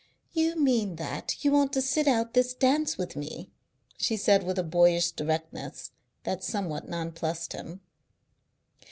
"You mean that, you want to sit out this dance with me?" she said with a boyish directness that somewhat nonplussed him.